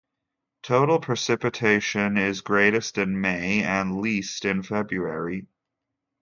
Total precipitation is greatest in May and least in February.